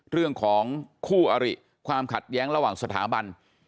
เรื่องของคู่อริความขัดแย้งระหว่างสถาบัน